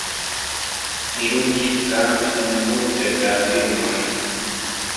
Li ludis same en multe da filmoj.